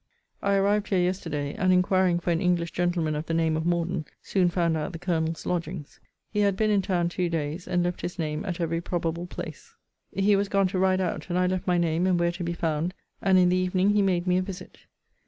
I arrived here yesterday; and inquiring for an English gentleman of the name of Morden, soon found out the Colonel's lodgings. He had been in town two days; and left his name at every probable place. He was gone to ride out; and I left my name, and where to be found; and in the evening he made me a visit.